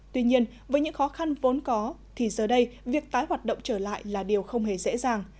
tuy nhiên với những khó khăn vốn có thì giờ đây việc tái hoạt động trở lại là điều không hề dễ dàng